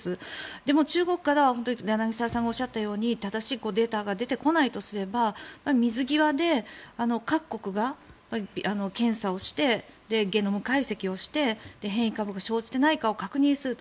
でも、中国からは柳澤さんがおっしゃるように正しいデータが出てこないとすれば水際で各国が検査をしてゲノム解析をして変異株が生じていないかを確認すると。